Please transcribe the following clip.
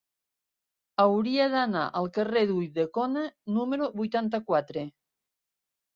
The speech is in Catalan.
Hauria d'anar al carrer d'Ulldecona número vuitanta-quatre.